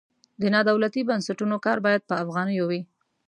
د نادولتي بنسټونو کار باید په افغانیو وي.